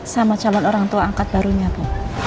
sama calon orang tua angkat barunya bu